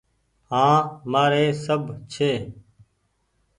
هآن مآري سب ڇي۔